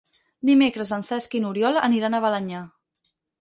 Dimecres en Cesc i n'Oriol aniran a Balenyà.